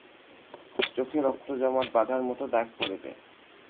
চোখে রক্ত জমাট বাধার মত দাগ পরে যায়।